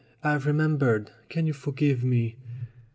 I've remembered. Can you forgive me?"